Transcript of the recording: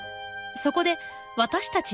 そこで私たち